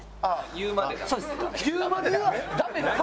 言うまで？